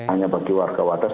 hanya bagi warga wadas